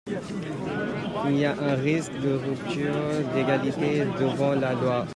Il y a un risque de rupture d’égalité devant la loi.